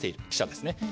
記者ですね。